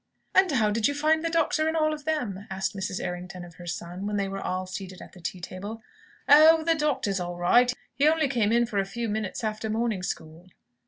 "And how did you find the doctor and all of them?" asked Mrs. Errington of her son, when they were all seated at the tea table. "Oh, the doctor's all right. He only came in for a few minutes after morning school."